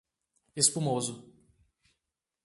Espumoso